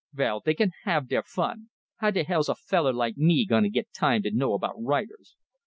Vell, dey can have deir fun how de hell's a feller like me gonna git time to know about writers?